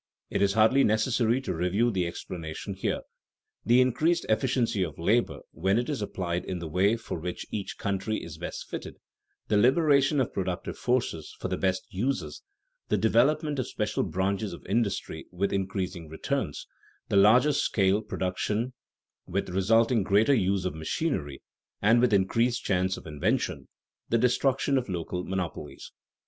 It is hardly necessary to review the explanation here: the increased efficiency of labor when it is applied in the way for which each country is best fitted; the liberation of productive forces for the best uses; the development of special branches of industry with increasing returns; the larger scale production with resulting greater use of machinery and with increased chance of invention; the destruction of local monopolies.